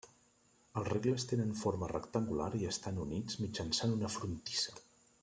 Els regles tenen forma rectangular i estan units mitjançant una frontissa.